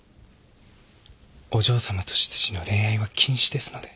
お嬢さまと執事の恋愛は禁止ですので。